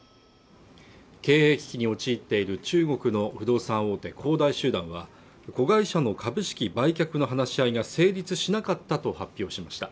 経営危機に陥っている中国の不動産大手恒大集団は子会社の株式売却の話し合いが成立しなかったと発表しました